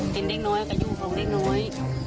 กินดิ๊กน้อยกระยุกลงดิ๊กน้อย